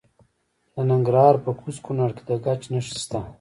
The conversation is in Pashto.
د ننګرهار په کوز کونړ کې د ګچ نښې شته.